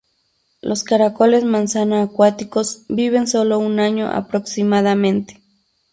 Los caracoles manzana acuáticos viven sólo un año aproximadamente.